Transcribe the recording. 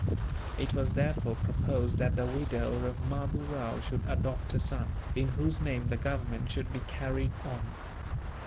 It was therefore proposed that the widow of Mahdoo Rao should adopt a son, in whose name the government should be carried on.